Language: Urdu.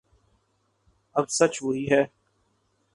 اب سچ وہی ہے